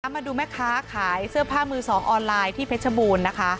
มาดูแม่ค้าขายเสื้อผ้ามือสองออนไลน์ที่เพชรบูรณ์นะคะ